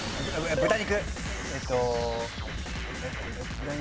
豚肉。